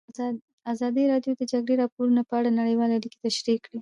ازادي راډیو د د جګړې راپورونه په اړه نړیوالې اړیکې تشریح کړي.